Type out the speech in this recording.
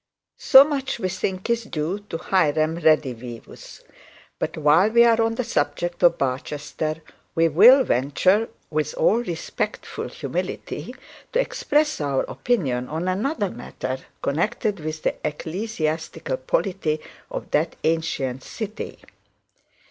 'So much we think is due to Hiram redivivus. But while we are on the subject of Barchester, we will venture with all respectful humility to express our opinion on another matter, connected with the ecclesiastical polity of that ancient city.